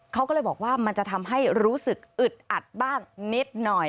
เขาก็เลยบอกว่ามันจะทำให้รู้สึกอึดอัดบ้างนิดหน่อย